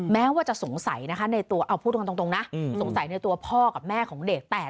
แม้ว่าจะสงสัยนะคะในตัวเอาพูดตรงนะสงสัยในตัวพ่อกับแม่ของเด็ก